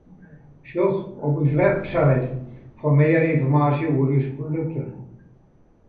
Sjoch op ús website foar mear ynformaasje oer ús produkten.